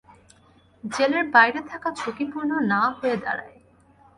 জেলের বাইরে থাকা ঝুঁকিপূর্ণ না হয়ে দাঁড়ায়।